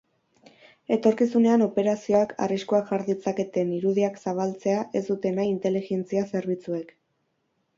Etorkizunean operazioak arriskuak jar ditzaketen irudiak zabaltzea ez dute nahi inteligentzia zerbitzuek.